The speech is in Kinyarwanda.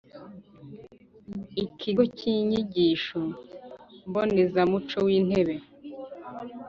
Ikigo cy Inyigisho Mbonezamuco wintebe